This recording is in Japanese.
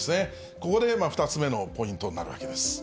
ここで２つ目のポイントになるわけです。